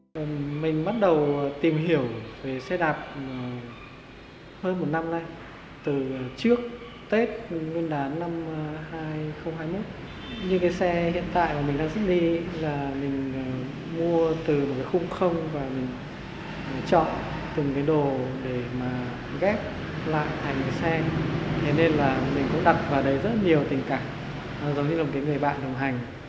lắp kép lại thành xe thế nên là mình cũng đặt vào đấy rất nhiều tình cảm giống như là một người bạn đồng hành